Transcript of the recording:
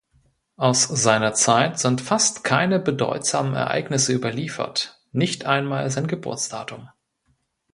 Aus seiner Zeit sind fast keine bedeutsamen Ereignisse überliefert, nicht einmal sein Geburtsdatum.